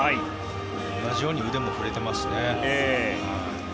同じように腕も振れてますしね。